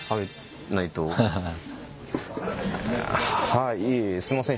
はいいえいえすいません